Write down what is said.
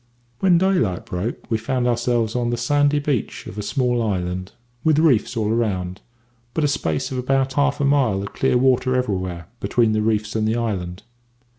"When daylight broke, we found ourselves on the sandy beach of a small island, with reefs all round us; but a space of about a quarter to half a mile of clear water everywhere between the reefs and the island.